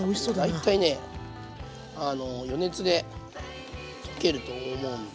大体ね余熱で溶けると思うんで。